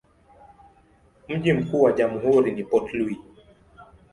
Mji mkuu wa jamhuri ni Port Louis.